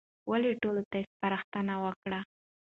والي ټولو ته سپارښتنه وکړه.